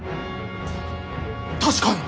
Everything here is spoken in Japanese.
確かに。